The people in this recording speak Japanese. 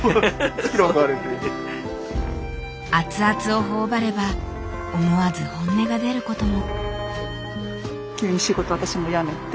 熱々を頬張れば思わず本音が出ることも。